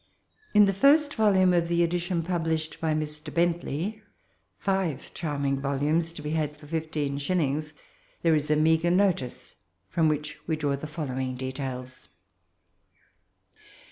In the first volume of the edition published by Mr. Bentley (five charming volumes, to be had for fifteen shillings^ there is a meagre Dotice, from which we draw the following details.